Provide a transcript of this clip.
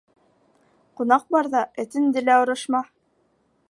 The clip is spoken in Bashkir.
Ҡунаҡ барҙа этенде лә орошма.